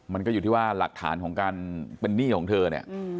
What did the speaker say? มันก็อยู่ที่ว่าหลักฐานของการเป็นหนี้ของเธอเนี่ย